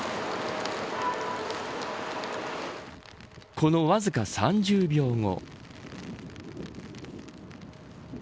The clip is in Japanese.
このわずか３０秒後。